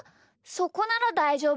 そこならだいじょうぶです。